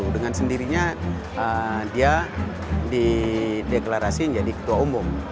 dengan sendirinya dia dideklarasi menjadi ketua umum